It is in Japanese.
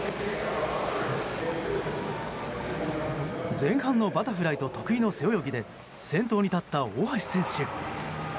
前半のバタフライと得意の背泳ぎで先頭に立った大橋選手。